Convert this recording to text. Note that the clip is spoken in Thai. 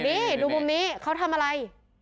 นี่ดูมุมนี้เขาทำอะไร